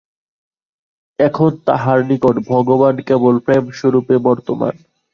এখন তাঁহার নিকট ভগবান কেবল প্রেমস্বরূপে বর্তমান।